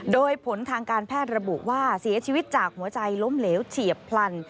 โดยผลทางการแพทย์ระบุว่าเสียชีวิตจากหัวใจล้มเหลวเฉียบพลัน